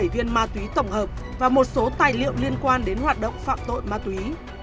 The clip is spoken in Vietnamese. một mươi viên ma túy tổng hợp và một số tài liệu liên quan đến hoạt động phạm tội ma túy